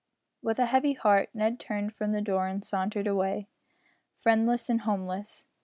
With a heavy heart Ned turned from the door and sauntered away, friendless and homeless.